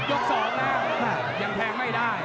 ยกส่อกนะน่ะยังแทงไม่ได้